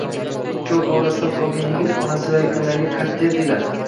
Ikki o`t orasida qolgan yigit onasi va yaqinlariga qat`iyat ila